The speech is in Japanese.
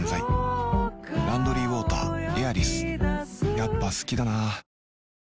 やっぱ好きだな